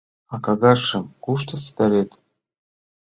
— А кагазшым кушто ситарет?